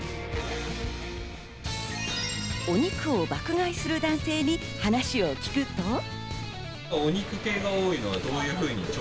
お肉を爆買いする男性に話を聞くと。